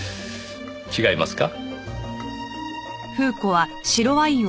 違いますか？